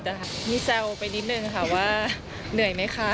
ก็จะไม่จีนแว่วไปนิดนึงว่าเหนื่อยมั้ยคะ